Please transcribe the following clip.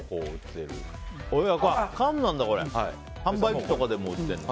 販売機とかでも売ってるんだ。